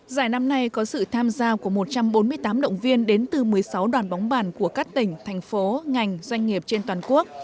giải năm nay có sự tham gia của một trăm bốn mươi tám động viên đến từ một mươi sáu đoàn bóng bàn của các tỉnh thành phố ngành doanh nghiệp trên toàn quốc